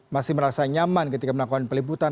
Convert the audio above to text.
masih merasa nyaman ketika melakukan peliputan